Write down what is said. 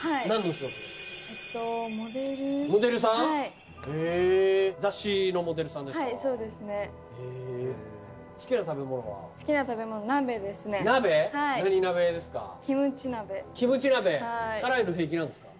何鍋ですか？